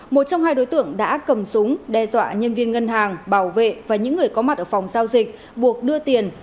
một trong hai đối tượng đã cầm súng đe dọa nhân viên ngân hàng bảo vệ và những người có mặt ở phòng giao dịch buộc đưa tiền